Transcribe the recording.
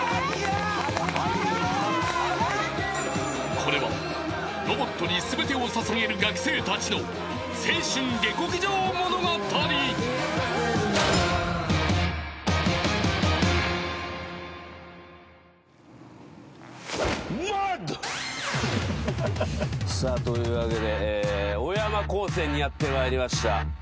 ［これはロボットに全てを捧げる学生たちの］マッド！というわけで小山高専にやってまいりました。